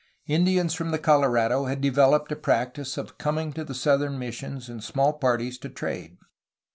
Indians from the Colorado had de veloped a practice of coming to the southern missions in small parties to trade.